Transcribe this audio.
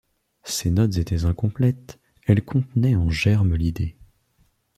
Ces notes étaient incomplètes ; elles contenaient en germe l’idée.